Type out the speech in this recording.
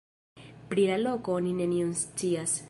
Pri la loko oni nenion scias.